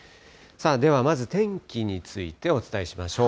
ではまず、天気についてお伝えしましょう。